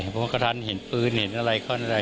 ผมก็ทันเห็นปืนเห็นอะไรข้างนั้น